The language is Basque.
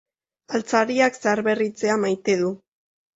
Altzariak zaharberritzea maite du.